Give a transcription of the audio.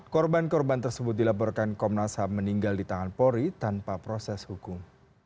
korban korban tersebut dilaporkan komnas ham meninggal di tangan polri tanpa proses hukum